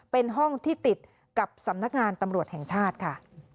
เป็นห้องที่ติดกับสำนักงานตำรวจแห่งชาติค่ะ